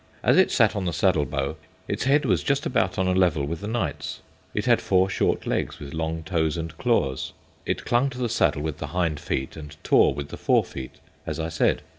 As it sat on the saddle bow, its head was just about on a level with the knight's. It had four short legs with long toes and claws. It clung to the saddle with the hind feet and tore with the fore feet, as I said.